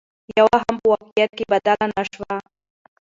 يوه هم په واقعيت بدله نشوه